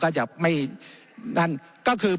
เป็นเพราะว่าคนกลุ่มหนึ่ง